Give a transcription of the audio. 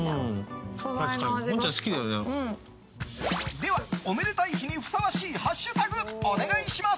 では、おめでたい日にふさわしいハッシュタグお願いします！